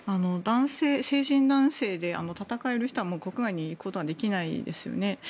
成人男性で戦える人はもう、国外に行くことはできないですよね。